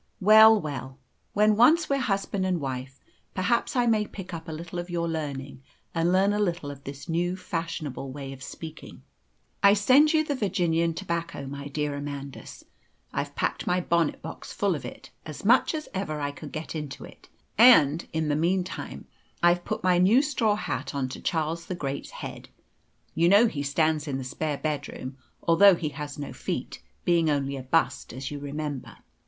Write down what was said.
Well, well: when once we're husband and wife, perhaps I may pick up a little of your learning, and learn a little of this new, fashionable way of speaking. "I send you the Virginian tobacco, my dearest Amandus. I've packed my bonnet box full of it, as much as ever I could get into it; and, in the meantime, I've put my new straw hat on to Charles the Great's head you know he stands in the spare bedroom, although he has no feet, being only a bust, as you remember.